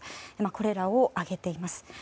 これらを挙げています。